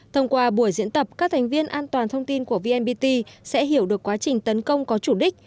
thông qua buổi diễn tập các thành viên an toàn thông tin của vnpt sẽ hiểu được quá trình tấn công có chủ đích